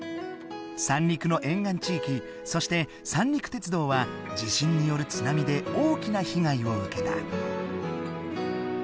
三陸の沿岸地域そして三陸鉄道は地震による津波で大きな被害を受けた。